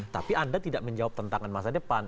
tapi anda tidak menjawab tentangan masa depan